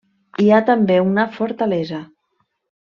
Hi ha també una fortalesa.